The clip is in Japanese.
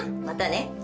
またね。